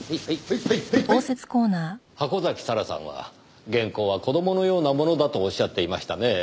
箱崎咲良さんは原稿は子供のようなものだとおっしゃっていましたねぇ。